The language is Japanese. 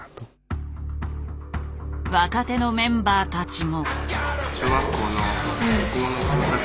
若手のメンバーたちも。